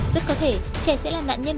rất có thể trẻ sẽ là nạn nhân